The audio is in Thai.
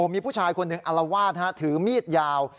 มีผู้ชายคนหนึ่งอลวาดถือมีดยาว